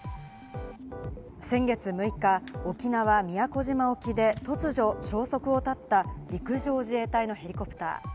先月６日、沖縄・宮古島沖で突如消息を絶った陸上自衛隊のヘリコプター。